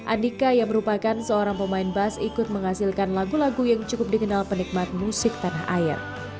andika yang merupakan seorang pemain bas ikut menghasilkan lagu lagu yang cukup dikenal penikmat musik tanah air